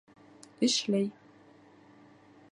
Эшләй!